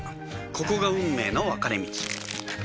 ここが運命の分かれ道